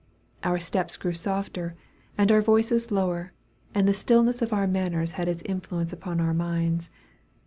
Our steps grew softer, and our voices lower, and the stillness of our manners had its influence upon our minds.